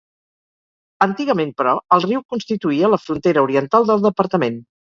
Antigament, però, el riu constituïa la frontera oriental del departament.